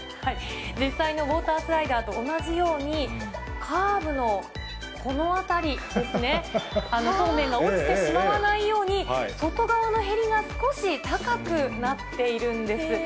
実際のウォータースライダーと同じように、カーブのこの辺りですね、そうめんが落ちてしまわないように、外側のへりが少し高くなっているんです。